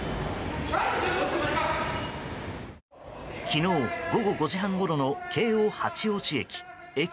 昨日、午後５時半ごろの京王八王子駅。